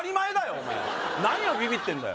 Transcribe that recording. お前何をビビってんだよ